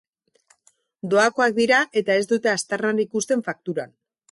Doakoak dira eta ez dute aztarnarik uzten fakturan.